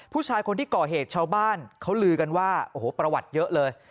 ผู้ชายคนที่ก่อเหตุชาวบ้านเขาลือกันว่าโอ้โหประวัติเยอะเลย